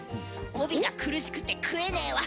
帯が苦しくて食えねえわ